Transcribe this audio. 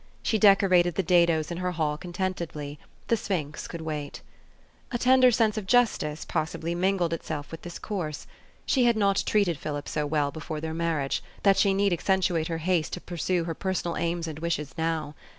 She decorated the dados in her hall contentedly : the sphinx could wait. A tender sense of justice, possibly, mingled itself THE STORY OF AVIS. 247 with this course. She had not treated Philip so well before their marriage, that she need accentuate her haste to pursue her personal aims and wishes now.